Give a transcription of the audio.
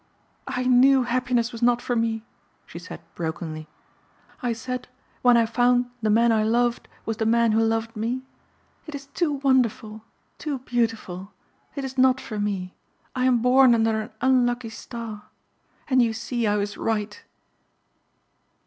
"I knew happiness was not for me," she said brokenly. "I said, when I found the man I loved was the man who loved me. 'It is too wonderful, too beautiful. It is not for me. I am born under an unlucky star.' And you see I was right."